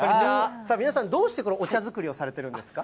さあ、皆さん、どうしてこのお茶作りをされてるんですか？